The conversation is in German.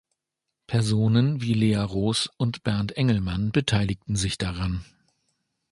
Personen wie Lea Rosh und Bernt Engelmann beteiligten sich daran.